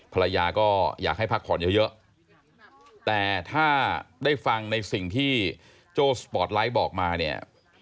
ภรรยาก็อยากให้พักผ่อนเยอะแต่ถ้าได้ฟังในสิ่งที่โจ้สปอร์ตไลท์บอกมาเนี่ย